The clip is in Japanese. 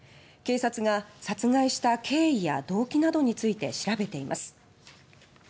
警察が殺害した経緯や動機などについて調べています。